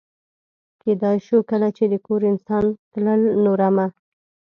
کېدای شو کله چې د کور انسان تلل، نو رمه.